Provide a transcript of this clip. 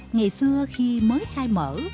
ngày xưa khi mới khai mở